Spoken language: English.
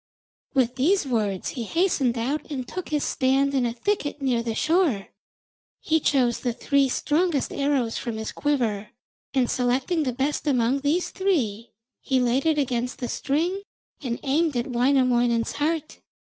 With these words he hastened out and took his stand in a thicket near the shore. He chose the three strongest arrows from his quiver, and selecting the best among these three, he laid it against the string and aimed at Wainamoinen's heart.